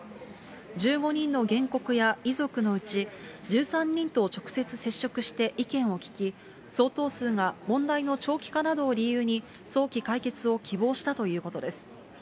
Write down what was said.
１５人の原告や遺族のうち、１３人と直接接触して意見を聞き、相当数が問題の長期化などを理由に、早期解決を希望したということです。